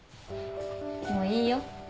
もういいよ。